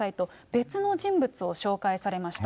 別の人物を紹介されました。